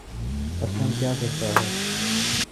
اسلم کیا کرتا ہے